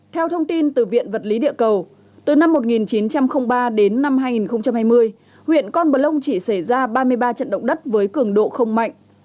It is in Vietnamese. theo thông tin từ viện vật lý địa cầu từ năm một nghìn chín trăm linh ba đến năm hai nghìn hai mươi huyện con bờ lông chỉ xảy ra ba mươi ba trận động đất với cường độ không mạnh